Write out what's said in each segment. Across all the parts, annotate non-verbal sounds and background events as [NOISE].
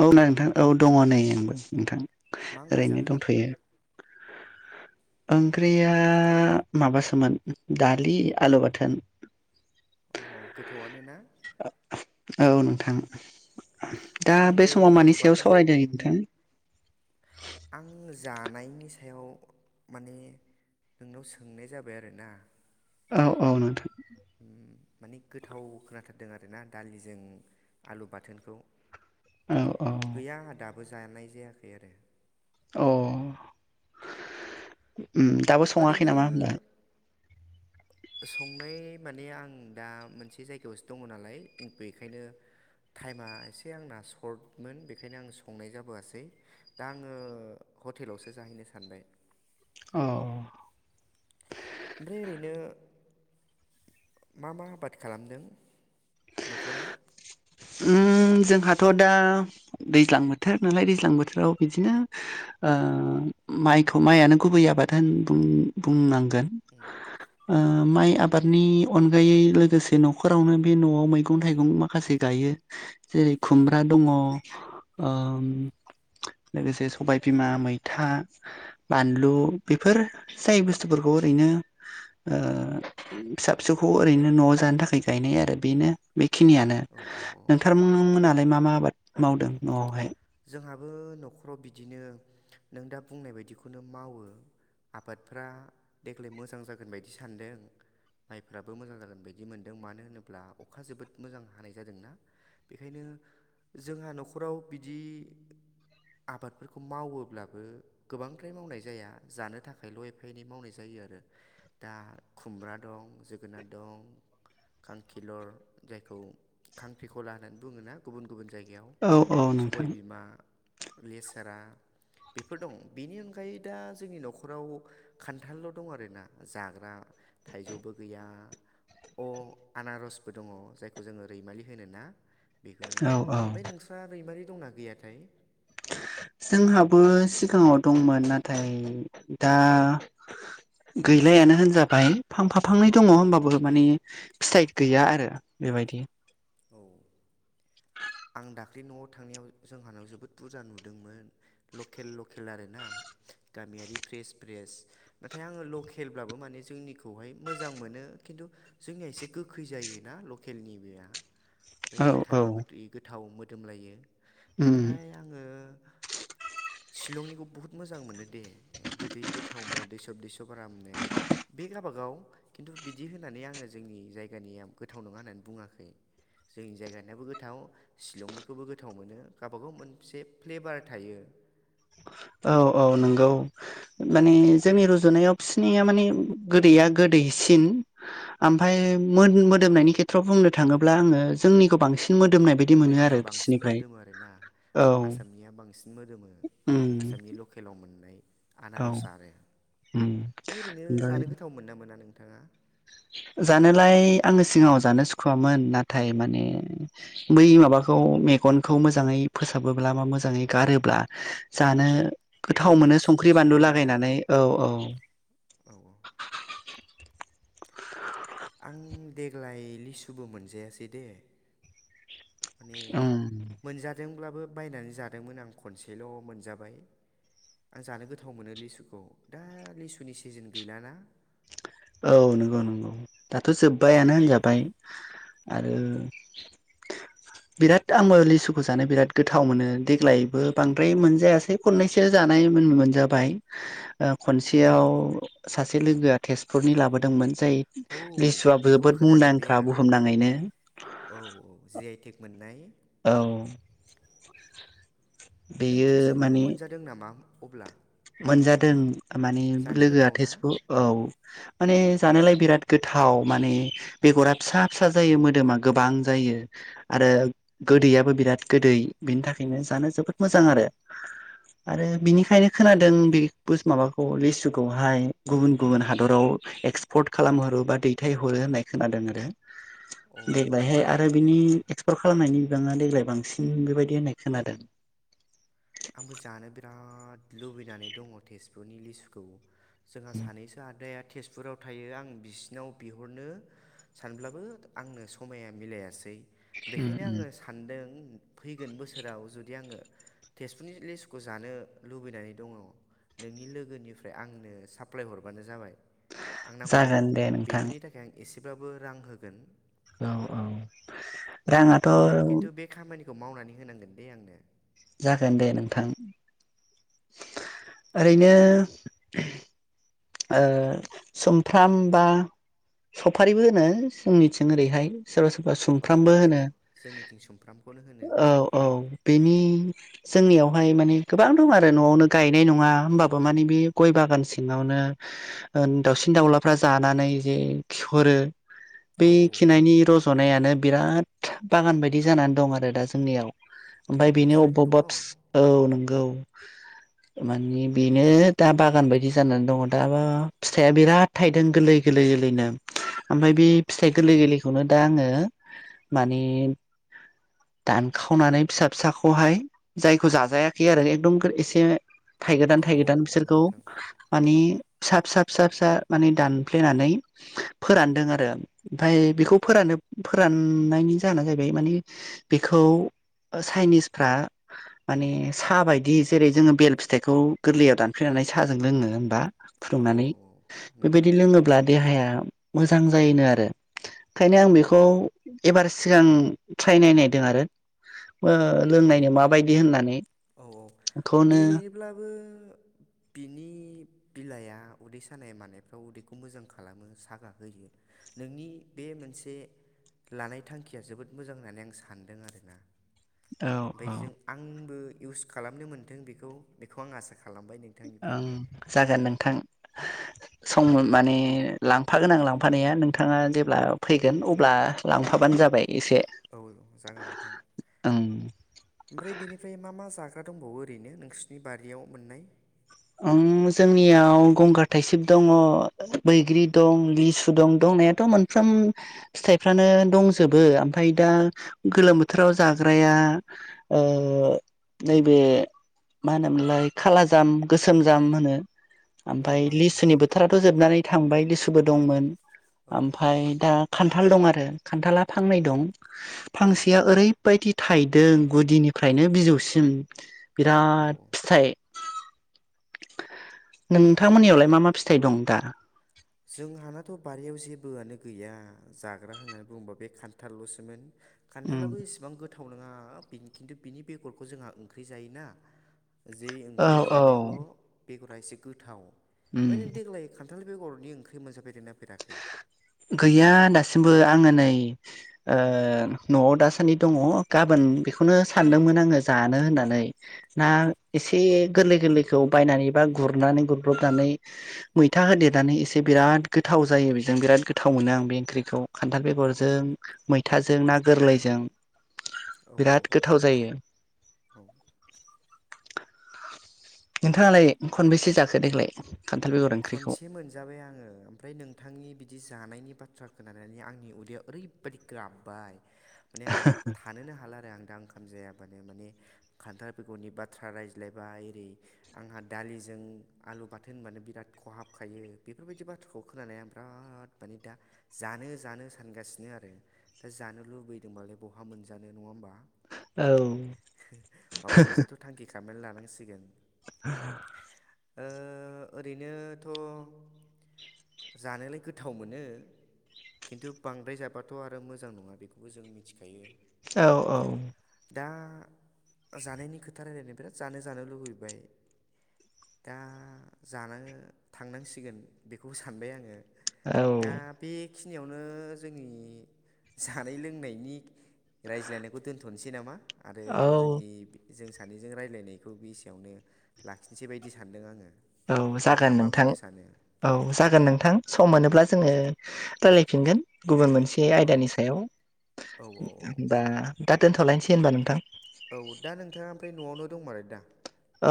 औ ना नोंथां औ दङ नै आंबो नोंथां मा ओंख्रि ओरैनो जाखो दंथ'यो [INAUDIBLE] ओंख्रिया माबासोमोन दालि आलु बाथोन अ गोथावआनो ना औ नोंथां दा बे आंबो समाव मानि आलु सायाव बाथोनखौ सावरायदों नोंथां? आं जानायनि सायाव माने नोंनाव सोंनाय जाबाय आरोना औ औ ‌नोंथां। उम माने गोथाव खोनाथारदों आरोना दालिजों आलु बाथोनखौ औ औ गैया आंहा दाबो जानाय जायाखै आरो अ उ दाबो सङाखै ओरैनो नामा होमबा? [INAUDIBLE] संनाय माने आं दा मोनसे जायगायावसो दङ नालाय बेखायनो टाइमा एसे आंना सर्टमोन बेखायनो आं संनाय जाबोआसै दा आङो हटेलावसो जाहैनो सानबाय औ [INAUDIBLE] ओमफ्राय ओरैनो मा मा आबाद खालामदों न'खराव? उम जोंहाथ' दा दैज्लां बोथोर नालाय दैज्लां बोथोराव बिदिनो अ माइखौ माइयानो गुबै आबाद होन बुं बुंनांगोन ओ माइ आबादनि अनगायै लोगोसे न'खरावनो बे न'आव मैगं थाइगं माखासे गायो जेरै खुमब्रा दङ अ लोगोसे सबाय बिमा मैथा बानलु बेफोर जाय बुस्थुफोर खौ ओरैनो ओ फिसा फिसौखौ ओरैनो न'आव जानो थाखाय गायनाय आरो बेनो बेखिनियानो औ औ औ औ नोंथां मोनालाय मा मा आबाद मावदों मावाहाय जोंहाबो न'खराव बिदिनो नों दा बुंनाय बायदिखौनो मावो आबादफोरा देग्लाय मोजां जागोन बायदि सानदों माइफोराबो मोजां जागोन बायदि मोनदों मानो होनोब्ला अखा जोबोद मोजां हानाय जादोंना बेखायनो जोंहा न'खराव बिदि आबादफोरखौ मावोब्लाबो गोबांद्राय मावनाय जाया जानो थाखायल' एफा एनै मावनाय जायो जायो आरो दा खुमब्रा दं जोगोनार दं खांखिलर जायखौ खांख्रिखला होननानै बुङना गुबुन गुबुन जायगायाव औ औ नोंथां सबाय बिमा लेसारा बेफोर दं बेनि अनगायै दा जोंनि न'खराव खान्थालल' दं आरोना जाग्रा थाइजौबो गैया अ आनारसबो दङ जायखौ जोङो रैमालि होनो ना बेखौ औ औ ओमफ्राय नोंस्रा रैमारि दंना गैयाथाय? [INAUDIBLE] जोंहाबो सिगाङाव दंमोन नाथाय दा गैलायानो होनजाबाय फां फा फांनै दङ होनबाबो माने फिथाइ गैया आरो बेबायदि औ [INAUDIBLE] आं दाख्लै नआव थांनायाव जोंहानाव जोबोद बुरजा नुदोंमोन लकेल लकेल आरोना गामियारि फ्रेस फ्रेस नाथाय आङो लकेलब्लाबो माने जोंनिखौहाय मोजां मोनो कि खिन्थु जोंनिया एसे गोखै जायोना लकेलनि बेया ओमफ्राय औ औ मोनथारबा गोदै गोथाव मोदोमलायो उम ओमफ्राय आङो [INAUDIBLE] शिलंनिखौ बुहुत मोजां मोनो दे गोदै गोथाव मोनो दैसब दैसब आरामनो बे बेगाबागाव खिन्थु बिदि होननानै आङो जोंनि जायगानिया गोथाव नङा होननानै बुङाखै। जोंनि जायगानियाबो गोथाव शिलंनिखौबो गोथाव मोनो गावबागाव मोनसे फ्लेबार थायो। [INAUDIBLE] औ औ नंगौ माने जोंनि रुजुनायाव बिसिनिया माने गोदैया गोदै दैसिन आमफाय मो मोदोमनायनि खेथ्रआव बुंनो थाङोब्ला आङो जोंनिखौ बांसिन मो जोंनिया बांसिन मोदोम आरोना औ आसामनिया बांसिन मोदोमो उम लकेलाव मोननाय औ आनार'स आरो उम ओरैनो ओमफ्राय जानो गोथाव मोनना मो मोना नोंथाङा? [INAUDIBLE] जानोलाय आङो सिगाङाव जानो सुखुवामोन नाथाय माने बै माबाखौ मेगनखौ मोजाङै फोसाबोब्ला बा मोजाङै गारोब्ला जानो अ गोथाव बे मोनो सुमु संख्रि बानलु सुमुआ ना लागायनानै औ औ औ औ आं देग्लाय लिसुबो मोनजायासै दे। माने उम मोनजादों ब्लाबो बायनानै जादोंमोन आं खनसेल' मोनजाबाय। आं जानो गोथाव मोनो लिसुखौ दा लिसुनि सिजोन गैलाना औ नंगौ नंगौ दाथ' जोब्बायानो होनजाबाय। आरो बिराद आंबो लिसुखौ जानो बिराद गोथाव मोनो देग्लायबो बांद्राय मोनजायासै खननैसो जानाय मोन मोनजाबाय ओ खनसेयाव सासे लोगोआ थेजपुरनि लाबोदोंमोन। जाय औ लिसुआ बेखौ जोबोद खोनादों दे मुंदांखा आं बुहुमनाङैनो। औ औ जि आइ टेक मोननाय। औ नों बेयो थेसफुनिखौ माने मोनजादों नामा अब्ला? मोनजादों माने जानो लोगोआ गोथाव ना तेजपु औ। माने जानोलाय बिराद गोथाव माने बेगरा फिसा फिसा जायो मोदोमा गोबां जायो। आरो गोदैयाबो बिराद गोदै बिनि थाखायनो जानो जोबोद मोजां आरो। आरो बिनिखायनो खोनादों बे पुस माबाखौ लिसुखौहाय गुबुन गुबुन हादराव एक्सपर्ट खालामो। ओ बा दैथाय हरो होननाय खोनादों आरो। अ देग्लायहाय औ आरो औ बिनि औ एक्सपर्ट खालामनायनि बिबाङा देग्लाय बांसिन बेबायदि होननाय खोनादों। [INAUDIBLE] आंबो जानो बिराद लुबैनानै दङ' थेजपुरनि लिसुखौ। जोंहा सानैसो आदाया थेजपुराव थायो आं बिसिनाव बिहुरनो सानब्लाबो आंनो समाया मिलायासै। बेखायनो आङो सानदों फैगोन बोसोराव जुदि आङो तेजपुरनि लिसुखौ जानो लुबैनानै दङ'। नोंनि लोगोनिफ्राय आंनो साप्लाय हरबानो जाबाय। आं नांगौबा जागोन दे नोंथां बेफोरनि थाखाय आं एसेब्लाबो रां होगोन। औ औ राङाथ' खो‌ मावनानै होनांगोन दे आंनो। जागोन दे नोंथां ओरैनो। ओ सुमफ्राम बा सफारिबो होनो जोंनिथिं ओरैहाय सोरबा सोर बा औ औ सुमफ्रामबो औ होनो जोंनिथिं सुमफ्रामखौनो होनो औ औ बेनि जोंनियावहाय माने गोबां दं आरो न'आवनो गायनाय नङा होमबाबो माने बे गय बागान सिङावनो। ओन दाउसिन दाउलाफ्रा जानानै जे खिहरो। औ बेै औ औ खिनायनि रज'नायानो बिराद बागान बायदि जानानै दं आरो दा जोंनियाव। ओमफ्राय बेनो नोंस्रानि अबबा न'आव अबबा औ औ नंगौ। मानि बेनो दा बागान बायदि जानानै दङ दाबा फिथाइया बिराद थाइदों गोरलै गोरलै गोरलैनो। ओमफ्राय बे फिथाइ गोरलै गोरलैखौनो दा आङो माने दानखावनानै फिसा फिसाखौहाय जायखौ जाजायाखै आरो एकदम एसे औ थाइगोदान-थाइगोदान बिसोरखौ नोंथां माने फिसा फिसा फिसा फिसा माने दानफ्लेनानै फोरानदों आरो ओमफ्राय बेखौ फोरान फोराननायनि जाहोना जाहैबाय माने बेखौ चाइनिस फ्रा माने साहा बायदि जेरै- जोङो बेल फिथाइखौ गोरलैयाव दानप्लेनानै साहाजों लोङो होमबा औ औ फुदुंनानै नोंथां बेबायदि लोङोब्ला देहाया मोजां जायोनो आरो। ओंखायनो आं बेखौ एबार सिगां ट्राइ नायनायदों आरो। लोंनायनो माबायदि होननानै औ औ बेखौनो एरैनोब्लाबो बिनि बिलाइआ उदै सानाय मानायफ्राव उदैखौ मोजां खालामो सागा होयो। नोंनि बे मोनसे लानाय थांखिया जोबोद मोजां होननानै आं सानदों आरो ना। औ ओमफ्राय औ जों आंबो इउस खालामनो मोन्दों बेखौ बेखौ आं आसा खालामो ओं जागोन नोंथां। सम मोन माने लांफागोनां लांफानाया नोंथाङा जेब्ला फैगोन अब्ला लांफाबानो जाबाय। एसे औ जागोन नोंथां। ओं ओमफ्राय बेनिफ्राय मा मा जागोन दंबावो ओरैनो नोंसोरनि बारियाव मोननाय? ओं जोंनियाव गंगार थाइसेब दङ, बैग्रि दं, लिसु दं दं नायाथ' मोनफ्रोमबो फिथाइ फोरानो दंजोबो ओमफाय दा गोलोथोराव जाग्रा या ओ नैबे मा होनोमोनलाय खाला जाम गोसोम जाम होनो औ ओमफाय औ औ लिसुनि नोंथां बोथोराथ' जोबनानै थांबाय लिसुबो दंमोन। औ ओमफाय दा खान्थाल दं आरो खान्थाला फांनै दं। औ फांसेया ओरैबायदि थायदों गुदिनिफ्रायनो बिजौसिम औ बिराद औ फिथाइ नोंथां मोननियावलाय मा मा फिथाइ दं दा? जोंहानाथ' बारियाव जेबोआनो गैया जाग्रा होननानै बुङोबा बे खान्थाल ल'सोमोन। उम खान्थालाबो इसेबां गोथाव नङा बिनि खिन्थु बेगरखौ जोंहा ओंख्रि जायोना। जै औ ओंख्रि औ जानायावल' बेगरा एसे गोथाव उम ओमफ्राय नों देग्लाय खान्थाल बेगर नि ओंख्रि मोनजा फेरदों ना फेराखै? गैया दासिमबो आङो नै न'आव दासान्दि दङ गाबोन उम बेखौनो सानदोंमोन आङो जानो होननानै ना एसे गोरलै गोरैखौ बायनानै एबा गुरनानै गुरब्रबनानै मैथा होदेरनानै एसे बिराद गोथाव जायो बेजों बिराद गोथाव मोनो आं बे ओंख्रिखौ खान्थाल बेगरजों मैथाजों ना गोरलैजों औ औ बिराद औ गोथाव जायो। नोंथाङालाय खनबैसे जाखो देग्लाय? खान्थाल बेगर ओंख्रिखौ खनसे मोनजाबाय आङो ओमफ्राय नोंथांनि बिदि जानायनि बाथ्राखौ खोननानै आंनि उदैयाव ओरैबायदि गाबबाय माने आं थानोनो हाला आरो आं दा ओंखाम जाया [INAUDIBLE] खान्थाल बेगरनि बाथ्रा रायज्लायबाय ओरै आंहा दालिजों आलु बाथोन होनबानो बिराद‌ खहाबखायो बेफोरबायदि बाथ्राखौ खोनानानै आं बिराद माने दा जानो जानो सानगासिनो। आरो दा जानो लुबैदोंमालाय बहा मोनजानो नङा होमबा? औ हो खाबेन्ट लानांसिगोन [INAUDIBLE] ओ ओरैनोथ'! जानोलाय गोथाव मोनो खिन्थु बांद्राय जाबाथ' आरो मोजां नङा बेखौबो जों मिथिखायो औ औ दा जानायनि खोथा रायलायनो बिराद जानो जानो लुबैबाय दा जानो थांनांसिगोन बेखौ सानबाय आङो औ दा बे बेखिनियावनो जोंनि जानाय लोंनायनि रायज्लायनायखौ दोनथ'नोसै नामा आरो औ जों जों सानैजों रायज्लायनायखौ बेसेयावनो लाखिनोसै बायदि सानदों आङो औ जागोन नोंथाङा मा नोंथां बुंनो सानो औ जागोन नोंथां सम मोनोब्ला जोङो रायलायफिनगोन। गुबुन मोनसे औ आयदानि सायाव औ औ औ होनबा दा दोनथ'लायनोसै होनबा नों। औ दा नोंथाङा ओमफ्राय न'आवनो दंमारो दा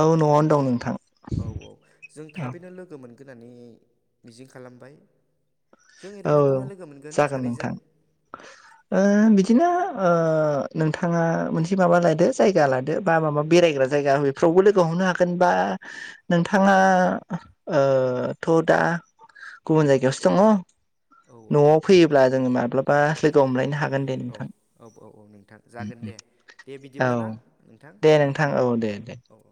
औ न'आवनो दं नोंथां औ औ जों औ थाबैनो लोगो मोनगोन होननानै मिजिं खालामबाय जों औ ओरैनो औ बहा लोगो मोनगोन जागोन सानैजों नोंथां बिदिनो नोंथाङा मोनसे माबा लादो जायगा लादो बा माबा बेरायग्रा जायगा बेफ्रावबो लोगो हमनो हागोना बा दा नोंथाङा थ' दा गुबुन जायगायावसो दङ। औ औ न'आव नोंथां फैयोब्ला जोङो माब्लाबा लोगो हमलायनो हागोन दे नोंथां दोन दे। दे औ बिदिब्ला ना नोंथां दे नोंथां औ दे दे। औ औ